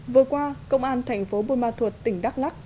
vừa qua công an tp bunma thuật tỉnh đắk lắc